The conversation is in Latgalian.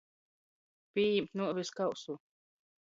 Pījimt nuovis kausu.